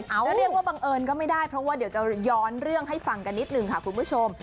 จะเรียกว่าบังเอิญก็ไม่ได้เพราะว่าเดี๋ยวจะย้อนเรื่องให้ฟังกันนิดหนึ่งค่ะคุณผู้ชม